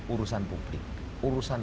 urusan publik urusan